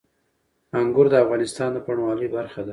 انګور د افغانستان د بڼوالۍ برخه ده.